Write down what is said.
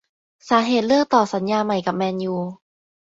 สาเหตุเลือกต่อสัญญาใหม่กับ แมนยู